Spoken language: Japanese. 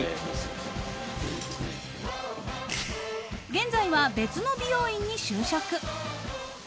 ［現在は別の美容院に就職］